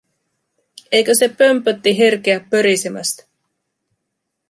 Eikö se pömpötti herkeä pörisemästä?